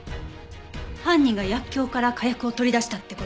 犯人が薬莢から火薬を取り出したって事？